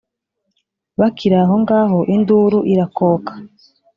bakiri aho ngaho induru irakoka